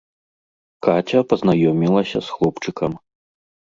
Каця пазнаёмілася з хлопчыкам.